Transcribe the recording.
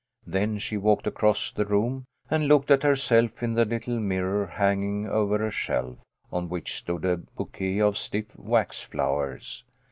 Then she walked across the room, and looked at herself in the little mirror hanging over a shelf, on which stood a bou quet of stiff wax flowers.